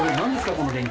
この電気。